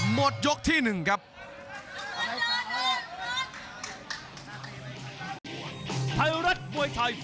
หมดยกที่หนึ่งครับ